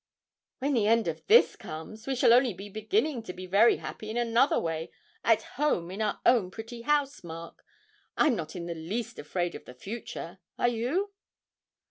'When the end of this comes we shall only be beginning to be very happy in another way at home in our own pretty house, Mark. I'm not in the least afraid of the future. Are you?'